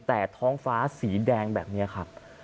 แต่ท้องฟ้าสีแดงแบบนี้ครับ